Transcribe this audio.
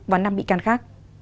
và năm vị can khác